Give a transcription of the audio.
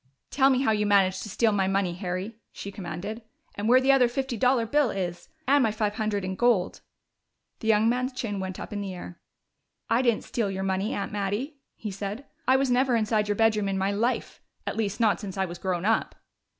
"Tell me just how you managed to steal my money, Harry," she commanded. "And where the other fifty dollar bill is and my five hundred in gold." The young man's chin went up in the air. "I didn't steal your money, Aunt Mattie," he said. "I was never inside your bedroom in my life at least, not since I was grown up!"